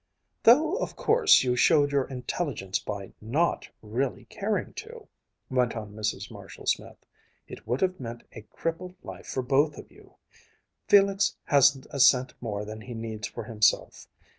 "... though of course you showed your intelligence by not really caring to," went on Mrs. Marshall Smith; "it would have meant a crippled life for both of you. Felix hasn't a cent more than he needs for himself.